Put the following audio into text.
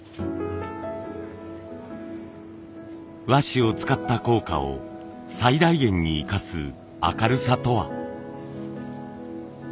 和紙を使った効果を最大限に生かす明るさとは？